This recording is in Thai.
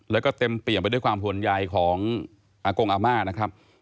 แล้วก็เต็มเปี่ยมไปด้วยความห่วงใยของอากงอาม่านะครับ